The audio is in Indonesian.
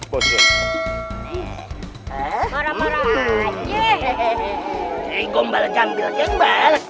gombal campil jembal